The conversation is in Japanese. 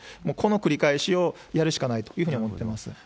もうこの繰り返しをやるしかないというふうに思ってます。